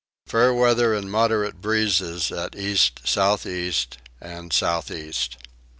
Fair weather and moderate breezes at east south east and south east.